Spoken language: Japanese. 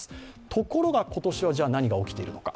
ところが今年は何が起きているのか。